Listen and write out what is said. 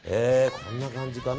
こんな感じかな。